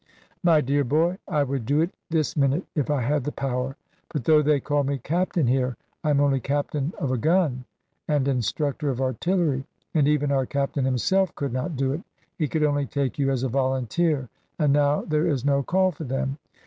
"My dear boy, I would do it this minute if I had the power. But though they call me 'Captain' here, I am only Captain of a gun, and Instructor of Artillery. And even our Captain himself could not do it. He could only take you as a volunteer, and now there is no call for them.